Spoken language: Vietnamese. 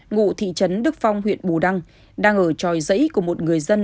ngụ thị trấn đức phong huyện bù đăng đang ở tròi dãy của một người dân